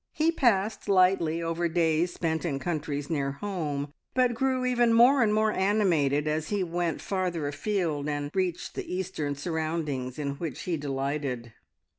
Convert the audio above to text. He passed lightly over days spent in countries near home, but grew even more and more animated as he went farther afield, and reached the Eastern surroundings in which he delighted.